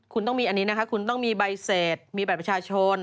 คุณต้องมีอันนี้คุณต้องมีใบเศษมีแบบประชาชน